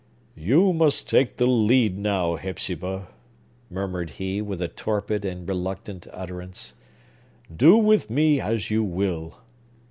"You must take the lead now, Hepzibah!" murmured he, with a torpid and reluctant utterance. "Do with me as you will!"